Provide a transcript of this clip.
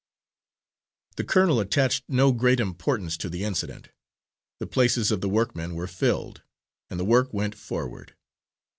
The colonel attached no great importance to the incident; the places of the workmen were filled, and the work went forward.